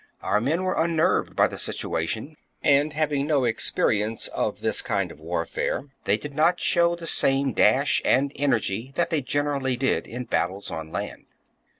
Our men were unnerved by the situation ; and having no experience of this kind of warfare, they did not show the same dash and energy that they generally did in battles on land.